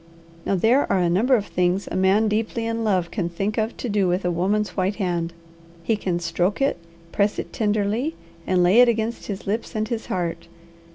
Now there are a number of things a man deeply in love can think of to do with a woman's white hand. He can stroke it, press it tenderly, and lay it against his lips and his heart.